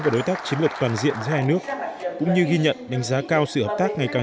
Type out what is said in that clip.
và đối tác chiến lược toàn diện giữa hai nước cũng như ghi nhận đánh giá cao sự hợp tác ngày càng